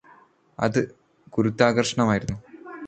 അത് ഗുരുത്വാകർഷണമായിരുന്നു